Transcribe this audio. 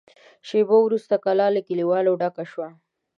شېبه وروسته کلا له کليوالو ډکه شوه.